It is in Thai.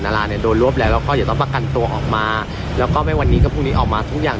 ดาราเนี่ยโดนรวบแล้วแล้วก็เดี๋ยวต้องประกันตัวออกมาแล้วก็ไม่วันนี้ก็พรุ่งนี้ออกมาทุกอย่าง